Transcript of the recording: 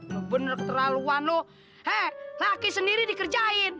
lu bener keterlaluan lu hei laki sendiri dikerjain